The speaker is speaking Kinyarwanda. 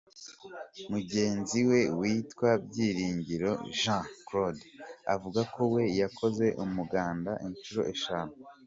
Mugenzi we witwa Byiringiro Jean Claude avuga ko we yakoze umuganda inshuro eshanu.